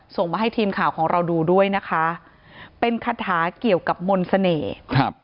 ส่งมาให้ทีมข่าวของเราดูด้วยนะคะเป็นคาถาเกี่ยวกับมนต์เสน่ห์ครับ